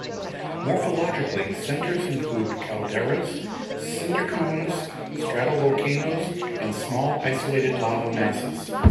Morphologically, centers include calderas, cinder cones, stratovolcanoes and small isolated lava masses.